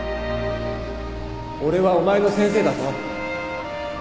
俺はお前の先生だぞ